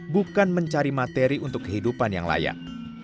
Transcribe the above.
bukan mencari materi untuk kehidupan yang layak